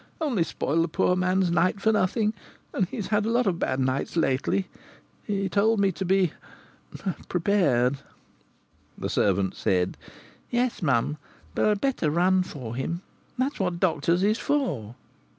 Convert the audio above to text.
"Only spoil the poor man's night for nothing. And he's had a lot of bad nights lately. He told me to be prepared." The servant said: "Yes, mum.. But I'd better run for him. That's what doctors is for."